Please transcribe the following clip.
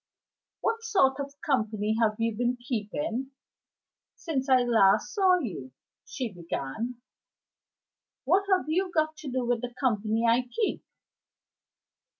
"What sort of company have you been keeping since I last saw you?" she began. "What have you got to do with the company I keep?"